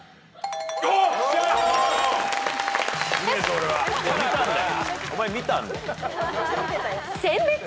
お前見たんだよ。